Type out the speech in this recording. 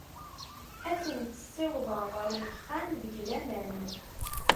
Ad tent-ssiwḍeɣ ɣer uxxam deg laman.